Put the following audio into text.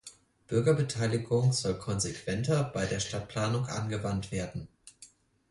Bürgerbeteiligung soll konsequenter bei der Stadtplanung angewandt werden.